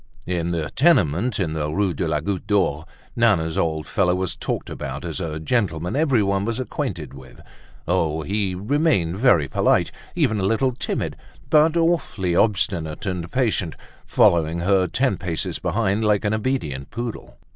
In the tenement in the Rue de la Goutte d'Or, Nana's old fellow was talked about as a gentleman everyone was acquainted with. Oh! he remained very polite, even a little timid, but awfully obstinate and patient, following her ten paces behind like an obedient poodle.